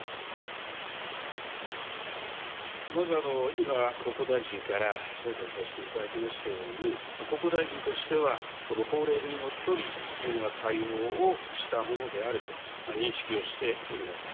まず今、国交大臣から答弁させていただきましたように国交大臣としては、この法令にのっとり、必要な対応をしたものであると認識をしております。